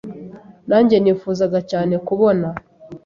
Nanjye Nifuzaga cyane kubona